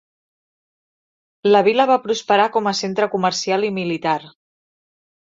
La vila va prosperar com a centre comercial i militar.